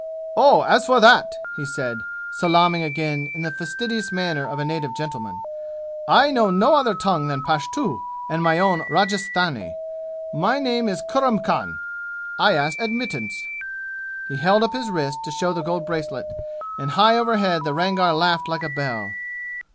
"Oh, as for that," he said, salaaming again in the fastidious manner of a native gentleman, "I know no other tongue than Pashtu and my own Rajasthani. My name is Kurram Khan. I ask admittance." He held up his wrist to show the gold bracelet, and high over his head the Rangar laughed like a bell.